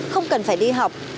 không cần phải đi học